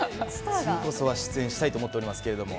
次こそは出演したいと思っておりますけれども。